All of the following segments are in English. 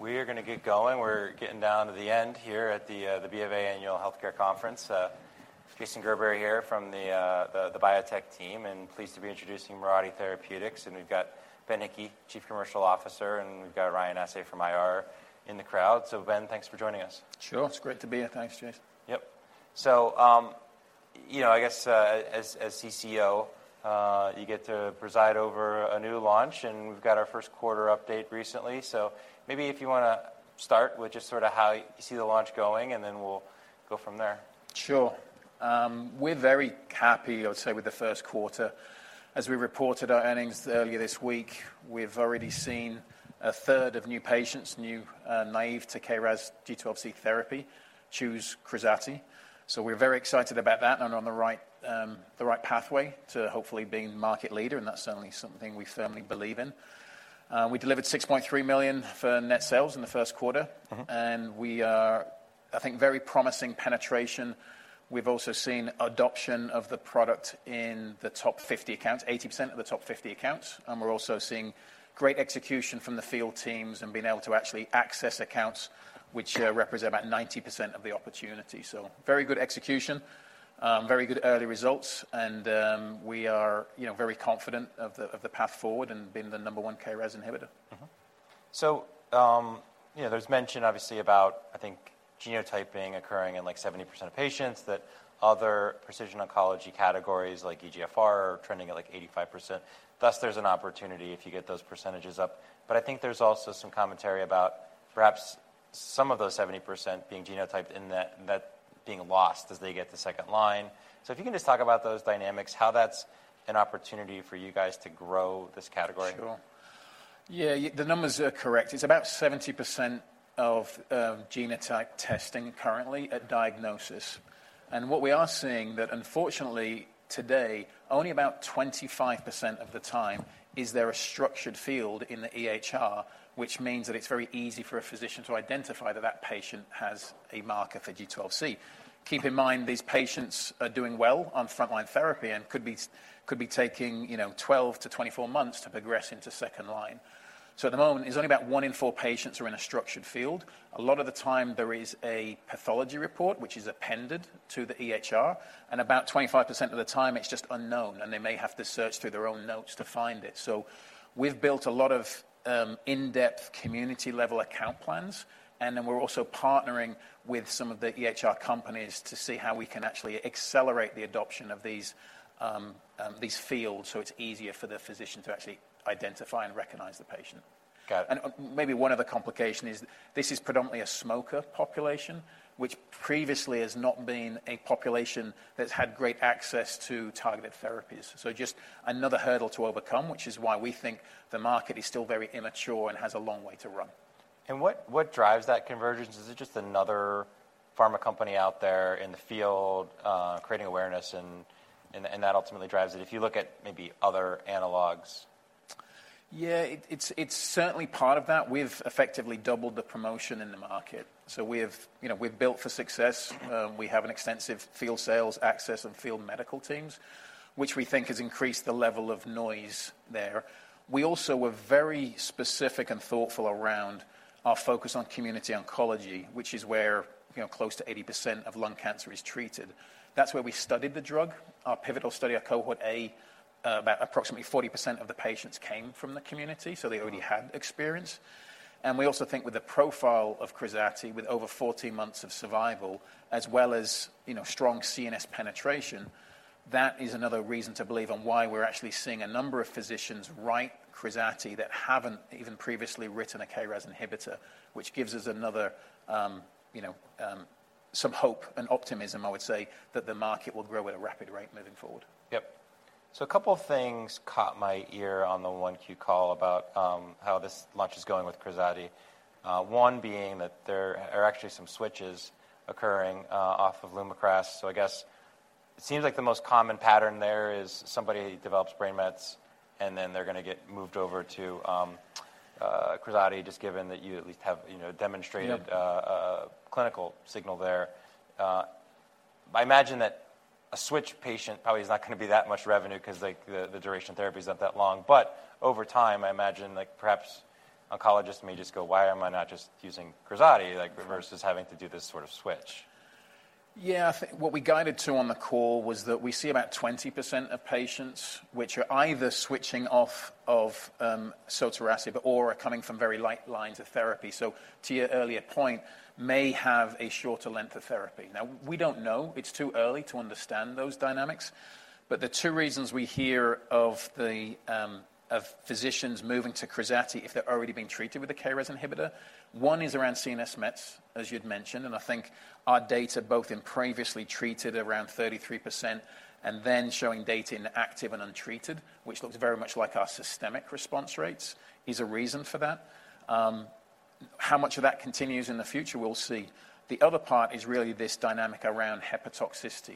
We are going to get going. We're getting down to the end here at the BofA Annual Healthcare Conference. Jason Gerberry here from the biotech team, pleased to be introducing Mirati Therapeutics. We've got Benjamin Hickey, Chief Commercial Officer, and we've got Ryan Tse from IR in the crowd. Ben, thanks for joining us. Sure. It's great to be here. Thanks, Jason. Yep. You know, I guess, as CCO, you get to preside over a new launch, and we've got our first quarter update recently. Maybe if you wanna start with just sort of how you see the launch going, and then we'll go from there. Sure. We're very happy, I would say, with the first quarter. As we reported our earnings earlier this week, we've already seen a third of new patients, new, naive to KRAS G12C therapy, choose KRAZATI. We're very excited about that and on the right, the right pathway to hopefully being market leader, and that's certainly something we firmly believe in. We delivered $6.3 million for net sales in the first quarter. Mm-hmm. We are, I think, very promising penetration. We've also seen adoption of the product in the top 50 accounts, 80% of the top 50 accounts. We're also seeing great execution from the field teams and being able to actually access accounts which represent about 90% of the opportunity. Very good execution, very good early results, we are, you know, very confident of the, of the path forward and being the number one KRAS inhibitor. you know, there's mention obviously about, I think, genotyping occurring in like 70% of patients, that other precision oncology categories like EGFR are trending at like 85%. Thus, there's an opportunity if you get those percentages up. I think there's also some commentary about perhaps some of those 70% being genotyped and that being lost as they get to second line. If you can just talk about those dynamics, how that's an opportunity for you guys to grow this category? Sure. The numbers are correct. It's about 70% of genotype testing currently at diagnosis. What we are seeing that unfortunately today, only about 25% of the time is there a structured field in the EHR, which means that it's very easy for a physician to identify that that patient has a marker for G12C. Keep in mind, these patients are doing well on frontline therapy and could be taking, you know, 12-24 months to progress into second line. At the moment, it's only about one in four patients are in a structured field. A lot of the time there is a pathology report, which is appended to the EHR, and about 25% of the time it's just unknown, and they may have to search through their own notes to find it. We've built a lot of, in-depth community-level account plans, and then we're also partnering with some of the EHR companies to see how we can actually accelerate the adoption of these fields, so it's easier for the physician to actually identify and recognize the patient. Got it. Maybe one other complication is this is predominantly a smoker population, which previously has not been a population that's had great access to targeted therapies. Just another hurdle to overcome, which is why we think the market is still very immature and has a long way to run. What drives that convergence? Is it just another pharma company out there in the field, creating awareness and that ultimately drives it? If you look at maybe other analogs. It's certainly part of that. We've effectively doubled the promotion in the market. We've, you know, we've built for success. We have an extensive field sales access and field medical teams, which we think has increased the level of noise there. We also were very specific and thoughtful around our focus on community oncology, which is where, you know, close to 80% of lung cancer is treated. That's where we studied the drug. Our pivotal study, our cohort A, about approximately 40% of the patients came from the community, so they already had experience. We also think with the profile of KRAZATI, with over 14 months of survival, as well as, you know, strong CNS penetration, that is another reason to believe on why we're actually seeing a number of physicians write KRAZATI that haven't even previously written a KRAS inhibitor, which gives us another, you know, some hope and optimism, I would say, that the market will grow at a rapid rate moving forward. Yep. A couple things caught my ear on the one Q call about how this launch is going with KRAZATI. One being that there are actually some switches occurring off of LUMAKRAS. I guess it seems like the most common pattern there is somebody develops brain mets, and then they're gonna get moved over to KRAZATI, just given that you at least have, you know, demonstrated-. Yep a clinical signal there. I imagine that a switch patient probably is not gonna be that much revenue because, like, the duration therapy is not that long. Over time, I imagine, like, perhaps oncologists may just go, "Why am I not just using KRAZATI?" Like versus having to do this sort of switch. Yeah. I think what we guided to on the call was that we see about 20% of patients which are either switching off of sotorasib or are coming from very like lines of therapy. To your earlier point, may have a shorter length of therapy. Now, we don't know. It's too early to understand those dynamics. The two reasons we hear of the of physicians moving to KRAZATI if they're already being treated with a KRAS inhibitor, one is around CNS mets, as you'd mentioned. I think our data, both in previously treated around 33% and then showing data in active and untreated, which looks very much like our systemic response rates, is a reason for that. How much of that continues in the future, we'll see. The other part is really this dynamic around hepatotoxicity,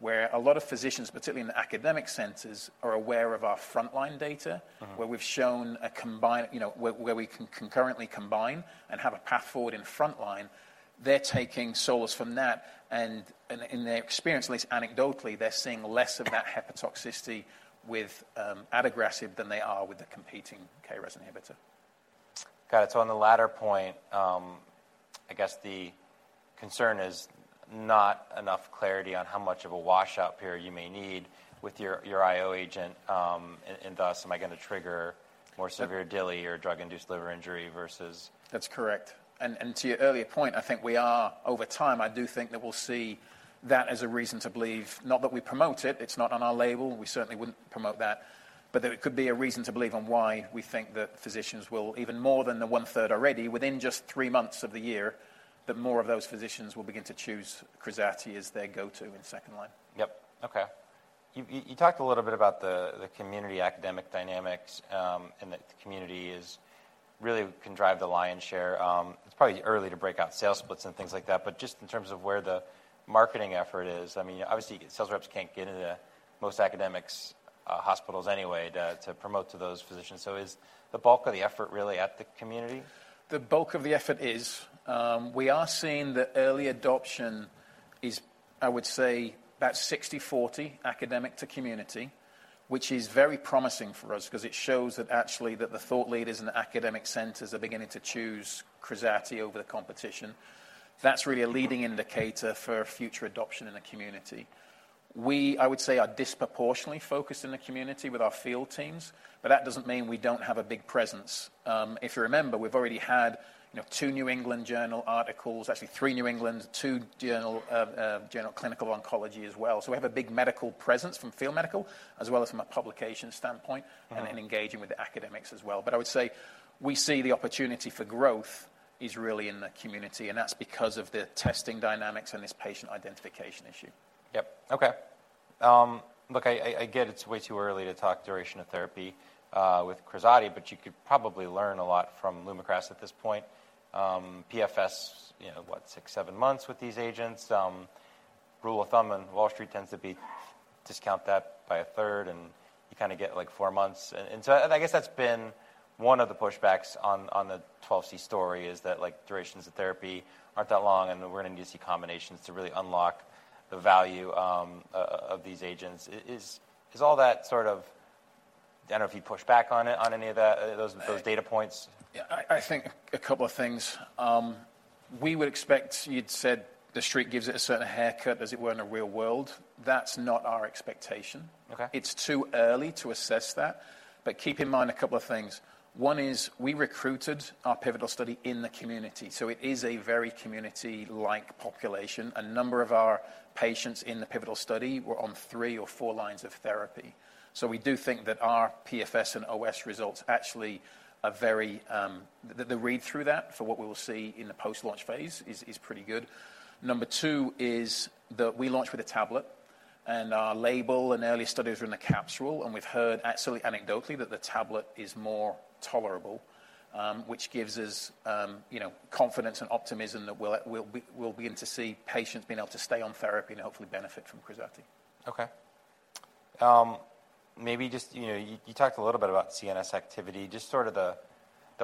where a lot of physicians, particularly in the academic centers, are aware of our frontline data. Mm-hmm... where we've shown a combine, you know, where we can concurrently combine and have a path forward in frontline. They're taking solace from that, and in their experience, at least anecdotally, they're seeing less of that hepatotoxicity with adagrasib than they are with the competing KRAS inhibitor. Got it. On the latter point, I guess the concern is not enough clarity on how much of a washout period you may need with your IO agent, and thus am I gonna trigger more severe DILI or drug-induced liver injury versus... That's correct. To your earlier point, Over time, I do think that we'll see that as a reason to believe, not that we promote it's not on our label, we certainly wouldn't promote that, but that it could be a reason to believe on why we think that physicians will, even more than the 1/3 already, within just 3 months of the year, that more of those physicians will begin to choose KRAZATI as their go-to in second line. Yep. Okay. You talked a little bit about the community academic dynamics, and that the community is really can drive the lion share. It's probably early to break out sales splits and things like that, but just in terms of where the marketing effort is, I mean, obviously, sales reps can't get into most academics' hospitals anyway to promote to those physicians. Is the bulk of the effort really at the community? The bulk of the effort is, we are seeing the early adoption is, I would say, about 60/40 academic to community, which is very promising for us because it shows that actually that the thought leaders and academic centers are beginning to choose KRAZATI over the competition. That's really a leading indicator for future adoption in the community. We, I would say, are disproportionately focused in the community with our field teams, but that doesn't mean we don't have a big presence. If you remember, we've already had, you know, two New England Journal articles, actually three New England Journal, two Journal of Clinical Oncology as well. We have a big medical presence from field medical as well as from a publication standpoint. Mm-hmm... and then engaging with the academics as well. I would say we see the opportunity for growth is really in the community. That's because of the testing dynamics and this patient identification issue. Yep. Okay. Look, I, I get it's way too early to talk duration of therapy with KRAZATI, but you could probably learn a lot from LUMAKRAS at this point. PFS, you know what, six, seven months with these agents. Rule of thumb in Wall Street tends to be discount that by a third, you kinda get, like, four months. I guess that's been one of the pushbacks on the 12C story is that, like, durations of therapy aren't that long and we're gonna need to see combinations to really unlock the value of these agents. Is all that sort of. I don't know if you pushed back on it, on any of those data points. Yeah. I think a couple of things. We would expect you'd said the street gives it a certain haircut as it were in a real world. That's not our expectation. Okay. It's too early to assess that. Keep in mind two things. One is we recruited our pivotal study in the community, so it is a very community-like population. A number of our patients in the pivotal study were on three or four lines of therapy. We do think that our PFS and OS results actually are very. The read-through that for what we will see in the post-launch phase is pretty good. Number two is that we launched with a tablet, and our label and early studies are in the capsule, and we've heard absolutely anecdotally that the tablet is more tolerable, which gives us, you know, confidence and optimism that we'll begin to see patients being able to stay on therapy and hopefully benefit from KRAZATI. Okay. Maybe just, you know, you talked a little bit about CNS activity, just sort of the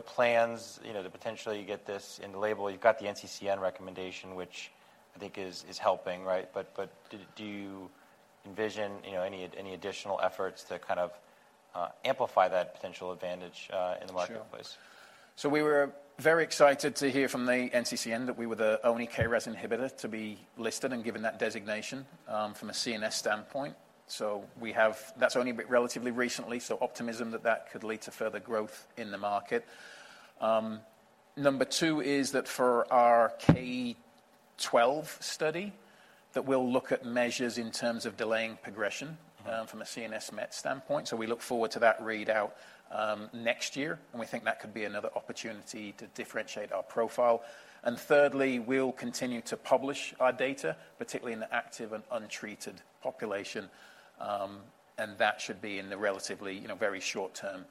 plans, you know, to potentially get this in the label. You've got the NCCN recommendation, which I think is helping, right? Do you envision, you know, any additional efforts to kind of amplify that potential advantage in the marketplace? Sure. We were very excited to hear from the NCCN that we were the only KRAS inhibitor to be listed and given that designation, from a CNS standpoint. That's only been relatively recently, so optimism that that could lead to further growth in the market. number two is that for our KRYSTAL-12 study, that we'll look at measures in terms of delaying progression- Mm-hmm... from a CNS met standpoint. We look forward to that readout next year, and we think that could be another opportunity to differentiate our profile. Thirdly, we'll continue to publish our data, particularly in the active and untreated population, and that should be in the relatively, you know, very short term,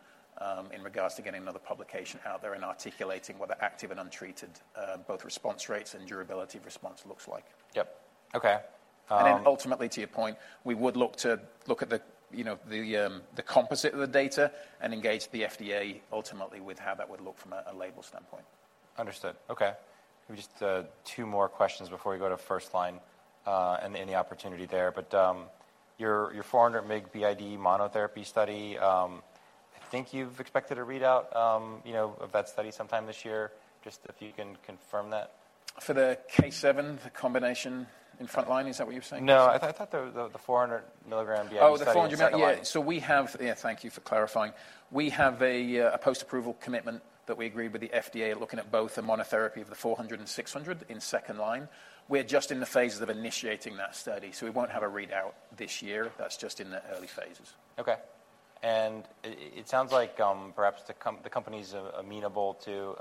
in regards to getting another publication out there and articulating what the active and untreated, both response rates and durability of response looks like. Yep. Okay. Ultimately, to your point, we would look to look at the, you know, the composite of the data and engage the FDA ultimately with how that would look from a label standpoint. Understood. Okay. Just 2 more questions before we go to first line, and any opportunity there. Your 400 mg BID monotherapy study, I think you've expected a readout, you know, of that study sometime this year. Just if you can confirm that? For the KRYSTAL-7, the combination in frontline, is that what you're saying? No, I thought the 400 milligram BID study in second line. Oh, the 400... Yeah. Thank you for clarifying. We have a post-approval commitment that we agreed with the FDA, looking at both the monotherapy of the 400 and 600 in second line. We're just in the phases of initiating that study, so we won't have a readout this year. That's just in the early phases. Okay. It sounds like perhaps the company's amenable to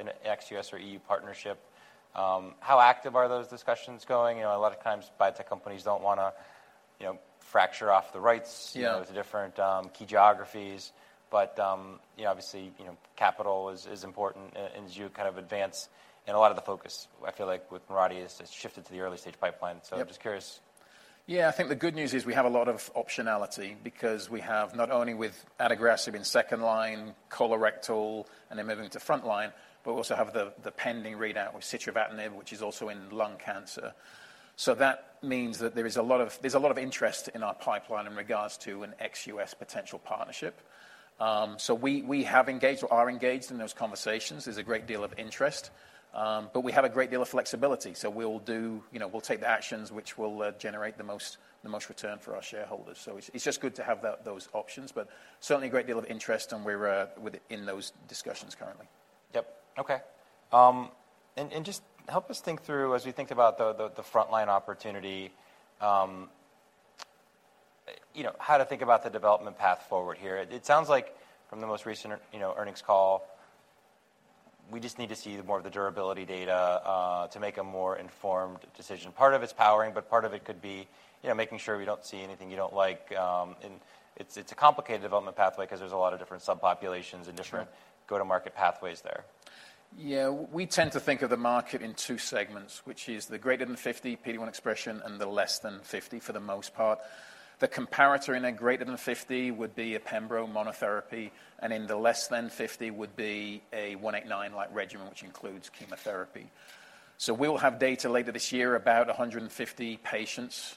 an ex-US or EU partnership. How active are those discussions going? You know, a lot of times biotech companies don't wanna, you know, fracture off the rights- Yeah... you know, to different, key geographies. You know, obviously, you know, capital is important as you kind of advance. A lot of the focus, I feel like with Mirati has shifted to the early-stage pipeline. Yep. I'm just curious. Yeah, I think the good news is we have a lot of optionality because we have not only with adagrasib in second-line colorectal and then moving to front line, but we also have the pending readout with sitravatinib, which is also in lung cancer. That means that there's a lot of interest in our pipeline in regards to an ex U.S. potential partnership. We have engaged or are engaged in those conversations. There's a great deal of interest, we have a great deal of flexibility. We'll, you know, take the actions which will generate the most return for our shareholders. It's just good to have those options, certainly a great deal of interest, and we're with it in those discussions currently. Yep. Okay. Just help us think through as we think about the frontline opportunity, you know, how to think about the development path forward here. It sounds like from the most recent you know, earnings call, we just need to see more of the durability data to make a more informed decision. Part of it's powering, part of it could be, you know, making sure we don't see anything you don't like. It's a complicated development pathway 'cause there's a lot of different subpopulations and different. Sure. -go-to-market pathways there. We tend to think of the market in two segments, which is the greater than 50 PD-1 expression and the less than 50 for the most part. The comparator in a greater than 50 would be a Pembro monotherapy, and in the less than 50 would be a 189 like regimen, which includes chemotherapy. We'll have data later this year about 150 patients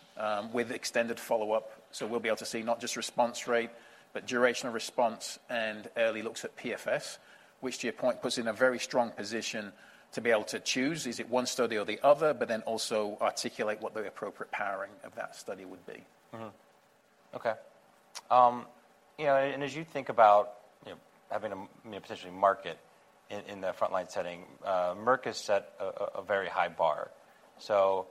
with extended follow-up. We'll be able to see not just response rate, but durational response and early looks at PFS, which to your point, puts in a very strong position to be able to choose, is it one study or the other, also articulate what the appropriate powering of that study would be. You know, and as you think about, you know, having a, you know, potentially market in the frontline setting, Merck has set a very high bar. I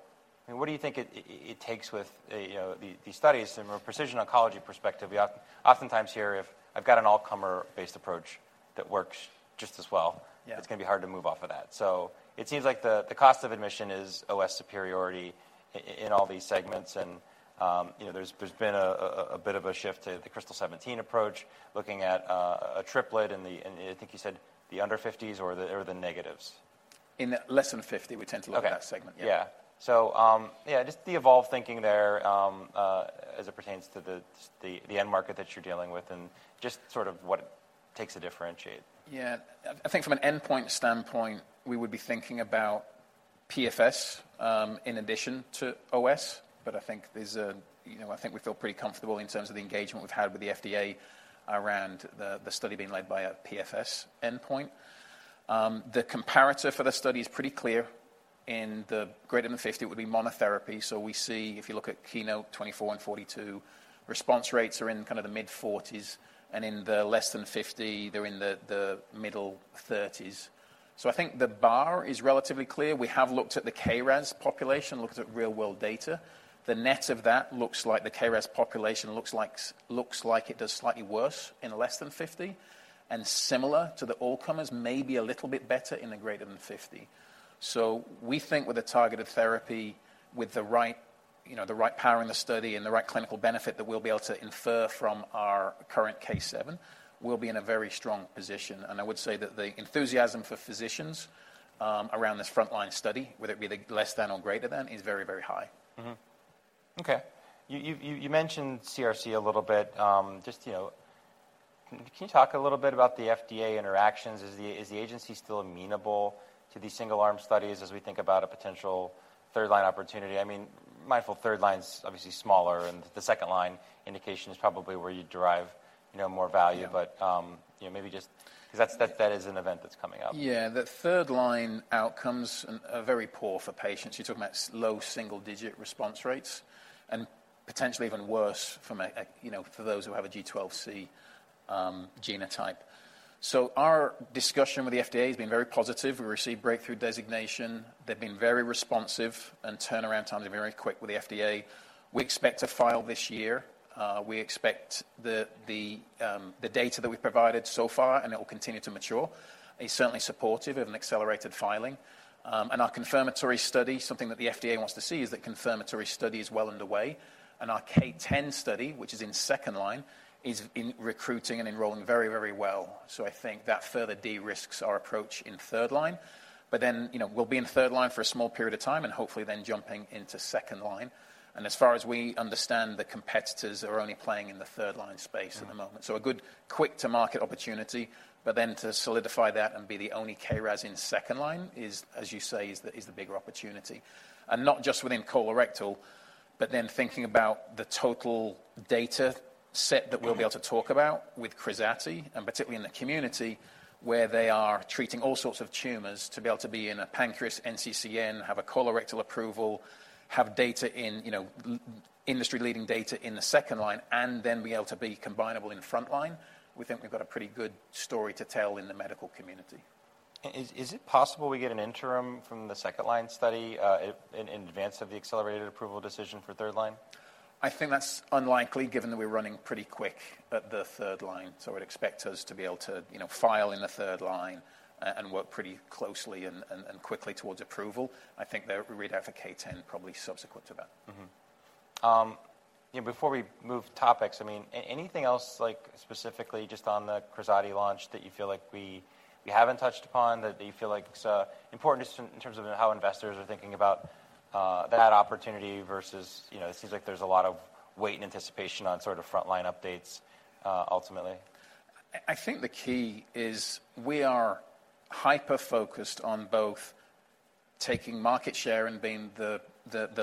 mean, what do you think it takes with, you know, these studies from a precision oncology perspective? We oftentimes hear if I've got an all-comer based approach that works just as well- Yeah. It's gonna be hard to move off of that. It seems like the cost of admission is OS superiority in all these segments and, you know, there's been a bit of a shift to the KRYSTAL-17 approach, looking at a triplet in the... I think you said the under 50s or the, or the negatives. In the less than 50, we tend to look at that segment. Okay. Yeah. Yeah, just the evolved thinking there, as it pertains to the end market that you're dealing with and just sort of what it takes to differentiate. I think from an endpoint standpoint, we would be thinking about PFS, in addition to OS. You know, I think we feel pretty comfortable in terms of the engagement we've had with the FDA around the study being led by a PFS endpoint. The comparator for the study is pretty clear. In the greater than 50, it would be monotherapy. We see if you look at KEYNOTE-024 and KEYNOTE-042, response rates are in kind of the mid-40s, and in the less than 50, they're in the mid-30s. I think the bar is relatively clear. We have looked at the KRAS population, looked at real world data. The net of that looks like the KRAS population looks like it does slightly worse in less than 50, and similar to the all comers, maybe a little bit better in the greater than 50. We think with a targeted therapy, with the right, you know, the right power in the study and the right clinical benefit that we'll be able to infer from our current K-7, we'll be in a very strong position. I would say that the enthusiasm for physicians, around this frontline study, whether it be the less than or greater than, is very, very high. Okay. You mentioned CRC a little bit. Just, you know, can you talk a little bit about the FDA interactions? Is the agency still amenable to these single arm studies as we think about a potential third line opportunity? I mean, mindful third line's obviously smaller, and the second line indication is probably where you derive, you know, more value. Yeah. You know, maybe just... 'Cause that is an event that's coming up. Yeah. The third line outcomes are very poor for patients. You're talking about low single-digit response rates and potentially even worse from a, you know, for those who have a G12C genotype. Our discussion with the FDA has been very positive. We received breakthrough designation. They've been very responsive, and turnaround times are very quick with the FDA. We expect to file this year. We expect the data that we've provided so far, and it will continue to mature, is certainly supportive of an accelerated filing. Our confirmatory study, something that the FDA wants to see is that confirmatory study is well underway. Our K-10 study, which is in second line, is in recruiting and enrolling very, very well. I think that further de-risks our approach in third line. You know, we'll be in third line for a small period of time and hopefully then jumping into second line. As far as we understand, the competitors are only playing in the third line space at the moment. A good quick to market opportunity. To solidify that and be the only KRAS in second line is, as you say, is the bigger opportunity. Not just within colorectal, but then thinking about the total dataset that we'll be able to talk about with KRAZATI, and particularly in the community where they are treating all sorts of tumors to be able to be in a pancreas NCCN, have a colorectal approval, have data in, you know, industry-leading data in the second line, and then be able to be combinable in the front line. We think we've got a pretty good story to tell in the medical community. Is it possible we get an interim from the second line study, in advance of the accelerated approval decision for third line? I think that's unlikely given that we're running pretty quick at the third line. I'd expect us to be able to, you know, file in the third line and work pretty closely and quickly towards approval. I think that we read for K-10 probably subsequent to that. Mm-hmm. Um- You know, before we move topics, I mean, anything else like specifically just on the KRAZATI launch that you feel like we haven't touched upon that you feel like it's important just in terms of how investors are thinking about that opportunity versus, you know, it seems like there's a lot of weight and anticipation on sort of frontline updates ultimately. I think the key is we are hyper-focused on both taking market share and being the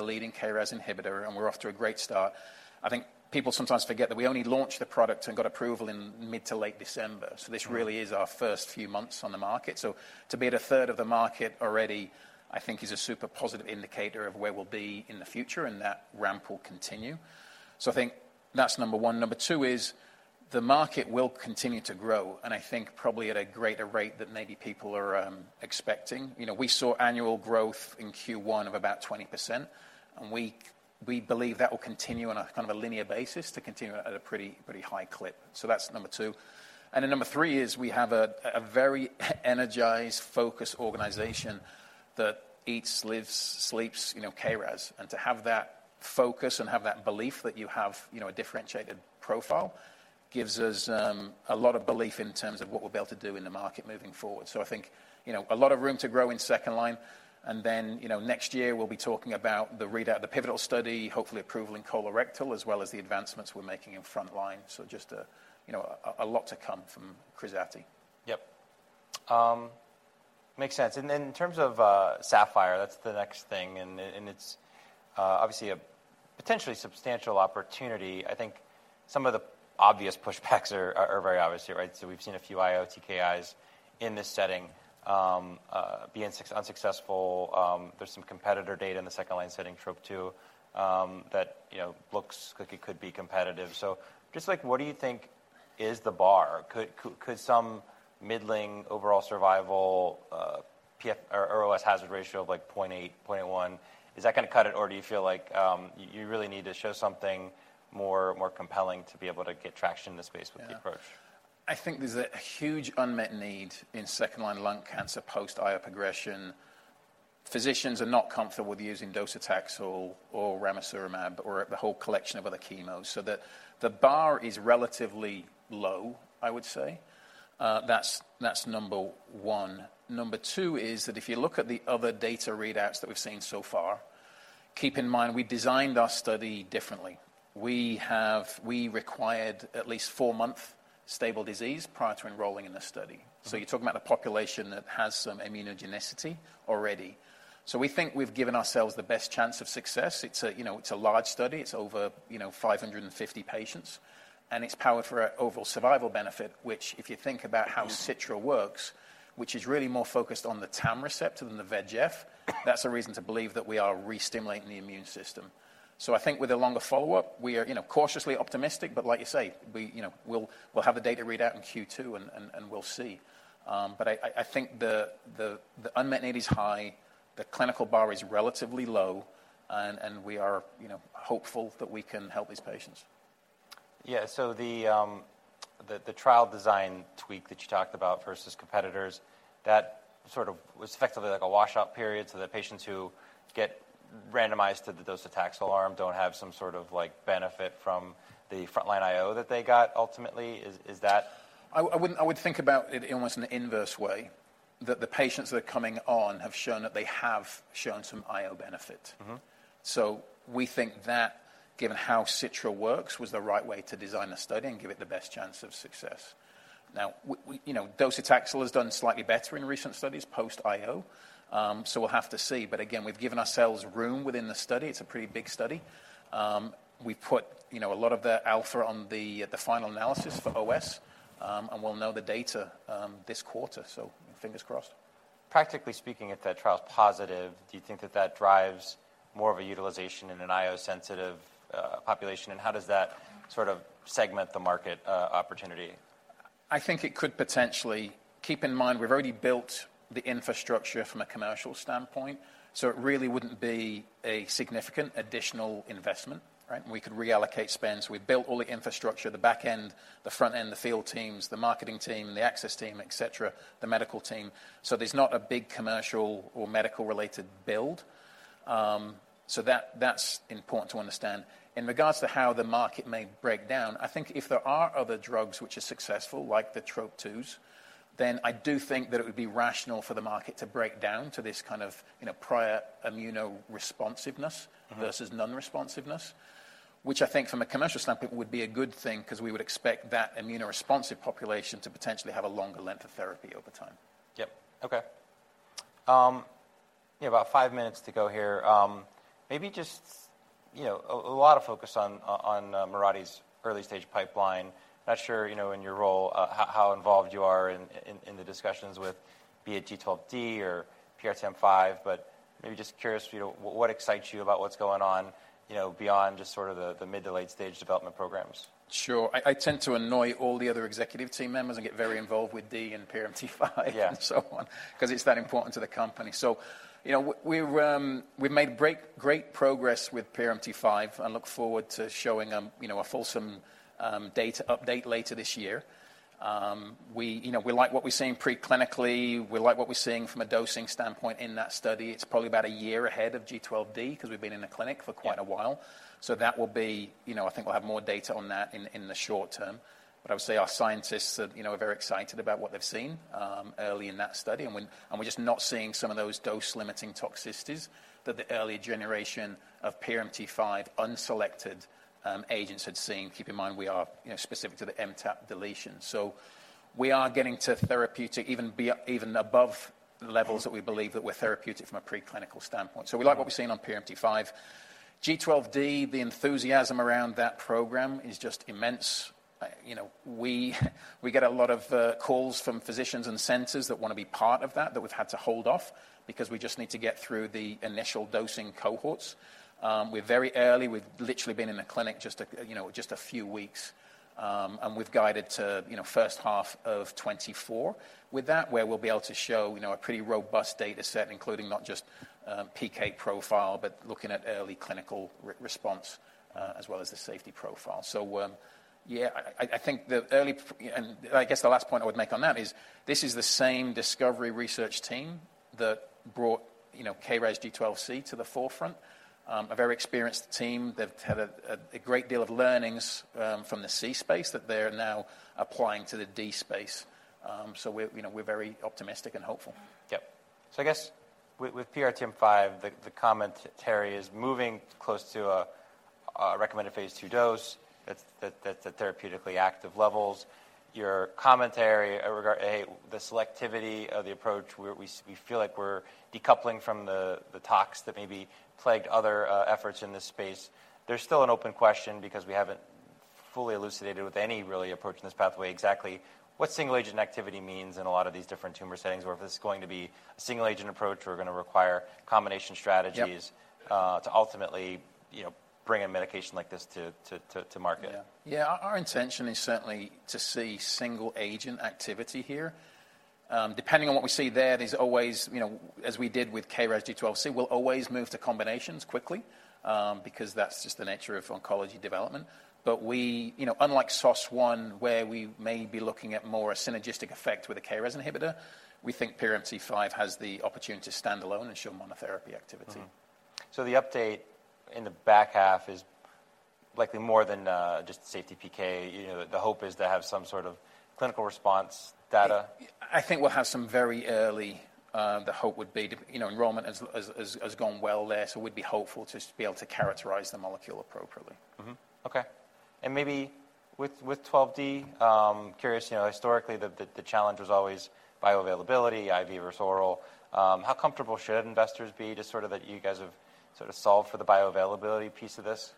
leading KRAS inhibitor, and we're off to a great start. I think people sometimes forget that we only launched the product and got approval in mid to late December. Right. This really is our first few months on the market. To be at a third of the market already, I think is a super positive indicator of where we'll be in the future, and that ramp will continue. I think that's number one. Number two is the market will continue to grow, and I think probably at a greater rate than maybe people are expecting. You know, we saw annual growth in Q1 of about 20%, and we believe that will continue on a kind of a linear basis to continue at a pretty high clip. That's number two. Number three is we have a very energized, focused organization that eats, lives, sleeps, you know, KRAS. To have that focus and have that belief that you have, you know, a differentiated profile gives us a lot of belief in terms of what we'll be able to do in the market moving forward. I think, you know, a lot of room to grow in second line and then, you know, next year we'll be talking about the readout, the pivotal study, hopefully approval in colorectal, as well as the advancements we're making in frontline. Just a, you know, a lot to come from KRAZATI. Yep. makes sense. In terms of SAPPHIRE, that's the next thing, it's obviously a potentially substantial opportunity. I think some of the obvious pushbacks are very obvious here, right? We've seen a few IO-TKIs in this setting being unsuccessful. There's some competitor data in the second line setting Trop-2 that, you know, looks like it could be competitive. Just like, what do you think is the bar? Could some middling overall survival, PF or OS hazard ratio of like 0.8, 0.1, is that gonna cut it? Do you feel like you really need to show something more compelling to be able to get traction in the space with the approach? Yeah. I think there's a huge unmet need in second-line lung cancer post-IO progression. Physicians are not comfortable with using docetaxel or ramucirumab or the whole collection of other chemos, so the bar is relatively low, I would say. That's number one. Number 2 is that if you look at the other data readouts that we've seen so far, keep in mind we designed our study differently. We required at least four-month stable disease prior to enrolling in the study. Mm-hmm. You're talking about a population that has some immunogenicity already. We think we've given ourselves the best chance of success. You know, it's a large study. It's over, you know, 550 patients, and it's powered for a overall survival benefit, which if you think about how sitravatinib works. Mm-hmm ...which is really more focused on the TAM receptor than the VEGF, that's a reason to believe that we are re-stimulating the immune system. I think with a longer follow-up, we are, you know, cautiously optimistic, but like you say, we, you know, we'll have the data readout in Q2 and we'll see. I think the unmet need is high, the clinical bar is relatively low, and we are, you know, hopeful that we can help these patients. Yeah. The trial design tweak that you talked about versus competitors, that sort of was effectively like a washout period so that patients who get randomized to the docetaxel arm don't have some sort of like benefit from the frontline IO that they got ultimately. Is that? I would think about it in almost an inverse way, that the patients that are coming on have shown that they have shown some IO benefit. Mm-hmm. We think that, given how sitravatinib works, was the right way to design the study and give it the best chance of success. We, you know, docetaxel has done slightly better in recent studies post-IO, we'll have to see. Again, we've given ourselves room within the study. It's a pretty big study. We've put, you know, a lot of the alpha on the final analysis for OS, we'll know the data this quarter, fingers crossed. Practically speaking, if that trial is positive, do you think that that drives more of a utilization in an IO-sensitive population? How does that sort of segment the market, opportunity? I think it could potentially. Keep in mind, we've already built the infrastructure from a commercial standpoint. It really wouldn't be a significant additional investment, right? We could reallocate spend. We've built all the infrastructure, the back end, the front end, the field teams, the marketing team, the access team, etc., the medical team. There's not a big commercial or medical-related build. That's important to understand. In regards to how the market may break down, I think if there are other drugs which are successful, like the Trop-2s, I do think that it would be rational for the market to break down to this kind of, you know, prior immunoresponsiveness- Mm-hmm ...versus non-responsiveness, which I think from a commercial standpoint would be a good thing because we would expect that immunoresponsive population to potentially have a longer length of therapy over time. Yep. Okay. You have about five minutes to go here. Maybe just, you know, a lot of focus on Mirati's early-stage pipeline. Not sure, you know, in your role, how involved you are in the discussions with be it G12D or PRMT5, but maybe just curious, you know, what excites you about what's going on, you know, beyond just sort of the mid to late-stage development programs. Sure. I tend to annoy all the other executive team members and get very involved with D and PRMT5 Yeah. And so on, 'cause it's that important to the company. You know, we've made great progress with PRMT5 and look forward to showing them, you know, a fulsome data update later this year. We, you know, we like what we're seeing pre-clinically. We like what we're seeing from a dosing standpoint in that study. It's probably about a year ahead of G12D 'cause we've been in the clinic for quite a while. Yeah. You know, I think we'll have more data on that in the short term. I would say our scientists are, you know, are very excited about what they've seen early in that study. We're just not seeing some of those dose-limiting toxicities that the earlier generation of PRMT5 unselected agents had seen. Keep in mind, we are, you know, specific to the MTAP deletion. We are getting to therapeutic even above the levels that we believe that were therapeutic from a pre-clinical standpoint. We like what we're seeing on PRMT5. G12D, the enthusiasm around that program is just immense. You know, we get a lot of calls from physicians and centers that wanna be part of that we've had to hold off because we just need to get through the initial dosing cohorts. We're very early. We've literally been in the clinic just a few weeks. We've guided to, you know, first half of 2024. With that, where we'll be able to show, you know, a pretty robust data set, including not just PK profile, but looking at early clinical re-response as well as the safety profile. I guess the last point I would make on that is this is the same discovery research team that brought, you know, KRAS G12C to the forefront. A very experienced team. They've had a great deal of learnings, from the C space that they're now applying to the D space. We, you know, we're very optimistic and hopeful. Yep. I guess with PRMT5, the comment, Terry, is moving close to a recommended phase 2 dose. That's at therapeutically active levels. Your commentary regard, A, the selectivity of the approach, we feel like we're decoupling from the tox that maybe plagued other efforts in this space. There's still an open question because we haven't fully elucidated with any really approach in this pathway exactly what single agent activity means in a lot of these different tumor settings or if it's going to be a single agent approach or gonna require combination strategies. Yep. to ultimately, you know, bring a medication like this to market. Yeah. Our intention is certainly to see single agent activity here. Depending on what we see there's always, you know, as we did with KRAS G12C, we'll always move to combinations quickly, because that's just the nature of oncology development. We, you know, unlike SOS1, where we may be looking at more a synergistic effect with a KRAS inhibitor, we think PRMT5 has the opportunity to stand alone and show monotherapy activity. The update in the back half is likely more than just safety PK. You know, the hope is to have some sort of clinical response data. The hope would be, you know, enrollment has gone well there, so we'd be hopeful to be able to characterize the molecule appropriately. Okay. maybe with G12D, curious, you know, historically, the challenge was always bioavailability, IV versus oral. How comfortable should investors be just sort of that you guys have sort of solved for the bioavailability piece of this?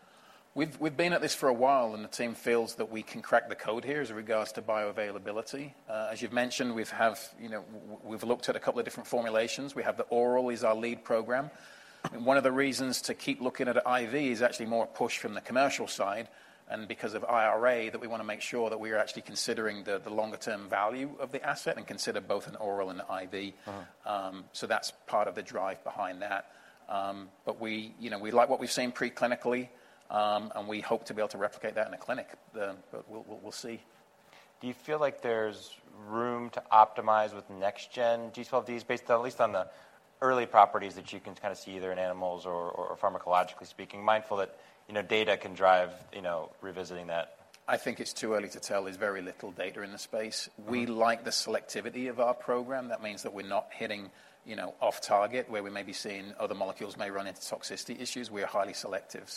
We've been at this for a while, and the team feels that we can crack the code here as regards to bioavailability. As you've mentioned, you know, we've looked at a couple of different formulations. We have the oral is our lead program. One of the reasons to keep looking at IV is actually more a push from the commercial side and because of IRA, that we wanna make sure that we are actually considering the longer term value of the asset and consider both an oral and IV. Mm-hmm. That's part of the drive behind that. We, you know, we like what we've seen pre-clinically, and we hope to be able to replicate that in the clinic then, but we'll see. Do you feel like there's room to optimize with next-gen G12Ds based on, at least on the early properties that you can kind of see there in animals or pharmacologically speaking, mindful that, you know, data can drive, you know, revisiting that? I think it's too early to tell. There's very little data in the space. Mm-hmm. We like the selectivity of our program. That means that we're not hitting, you know, off target where we may be seeing other molecules may run into toxicity issues. We are highly selective.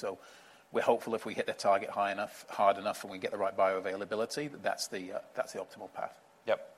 We're hopeful if we hit the target high enough, hard enough, and we get the right bioavailability, that's the, that's the optimal path. Yep.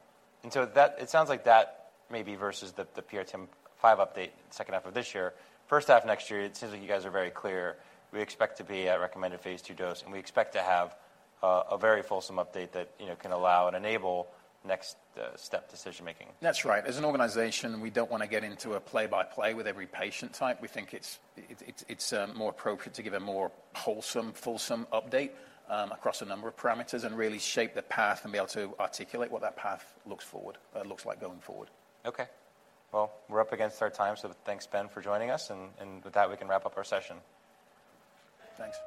That it sounds like that may be versus the PRMT5 update second half of this year. First half of next year, it seems like you guys are very clear. We expect to be at recommended Phase II dose, and we expect to have a very fulsome update that, you know, can allow and enable next step decision-making. That's right. As an organization, we don't want to get into a play-by-play with every patient type. We think it's more appropriate to give a more wholesome, fulsome update, across a number of parameters and really shape the path and be able to articulate what that path looks like going forward. Okay. Well, we're up against our time, thanks, Ben, for joining us. With that, we can wrap up our session. Thanks.